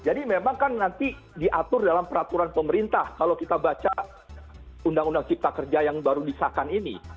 memang kan nanti diatur dalam peraturan pemerintah kalau kita baca undang undang cipta kerja yang baru disahkan ini